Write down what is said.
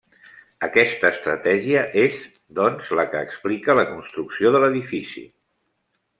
Aquesta estratègia és, doncs, la que explica la construcció de l'edifici.